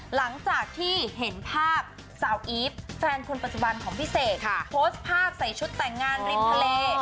หลังจากที่เห็นภาพสาวอีฟแฟนคนปัจจุบันของพี่เสกโพสต์ภาพใส่ชุดแต่งงานริมทะเล